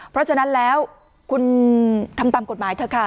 เพราะฉะนั้นแล้วคุณทำตามกฎหมายเถอะค่ะ